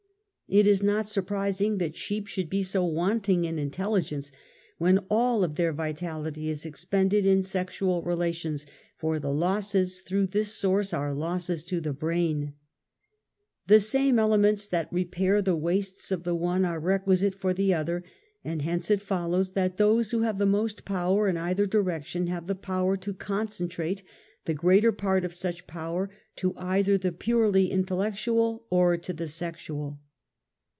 It is not surprising that sheep should be so wanting in intelligence when all of their vitality is expended in sexual relations, for the losses through this source are losses to the brain ! The same ele ments that repair the wastes of the one are requisite for the other; and hence it follows that those who have the most power in either direction have the power to concentrate the greater part of such power to either the purely intellectual or to the sexual.